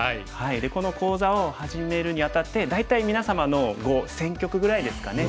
この講座を始めるにあたって大体皆様の碁１，０００局ぐらいですかね